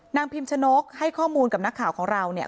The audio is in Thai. พิมชนกให้ข้อมูลกับนักข่าวของเราเนี่ย